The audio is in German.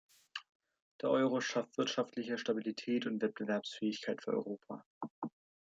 Der Euro schafft wirtschaftliche Stabilität und Wettbewerbsfähigkeit für Europa.